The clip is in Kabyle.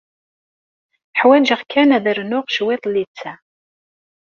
Ḥwaǧeɣ kan ad rnuɣ cwiṭ n litteɛ.